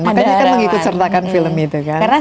makanya kan mengikut sertakan film itu kan